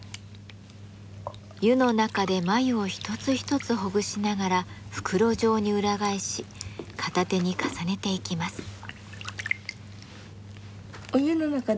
湯の中で繭を一つ一つほぐしながら袋状に裏返し片手に重ねていきます。